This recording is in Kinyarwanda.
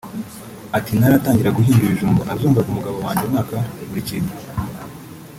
Ati “ Ntaratangira guhinga ibijumba nazongaga umugabo wanjye mwaka buri kintu